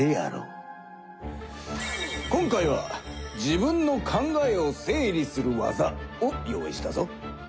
今回は自分の考えを整理する技を用意したぞ。